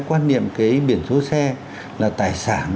quan niệm cái biển số xe là tài sản